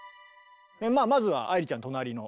まずは愛理ちゃん隣の。